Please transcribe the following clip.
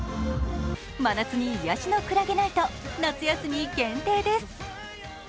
真夏に癒やしのクラゲナイト、夏休み限定です。